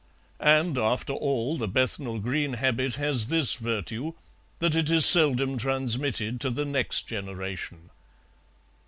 And, after all, the Bethnal Green habit has this virtue that it is seldom transmitted to the next generation.